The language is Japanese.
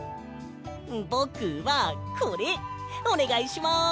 ぼくはこれおねがいします。